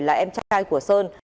là em trai của sơn